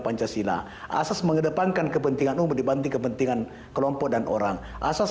pancasila asas mengedepankan kepentingan umum dibanding kepentingan kelompok dan orang asas